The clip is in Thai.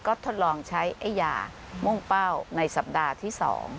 ก็ทดลองใช้ไอ้ยามุ่งเป้าในสัปดาห์ที่๒